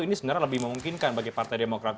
ini sebenarnya lebih memungkinkan bagi partai demokrat